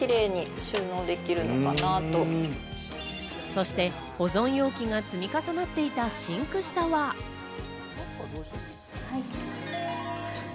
そして保存容器が積み重なっていたシンク下は。